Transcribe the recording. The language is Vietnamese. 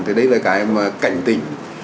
thì đấy là cái cảnh tình